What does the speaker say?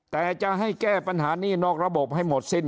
แต่จะให้แก้ปัญหานี่นอกระบบให้หมดสิ้น